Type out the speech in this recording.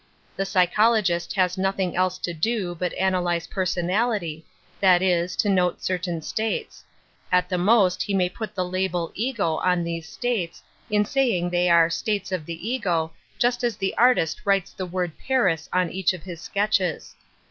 The psychologist has nothing else to do but analyze personality, that is, to note certain states; at the most he may put the lahel " ego " on these states in saying they are " states of the ego," juat as the artist writes the word " Paris " on each of his sketches.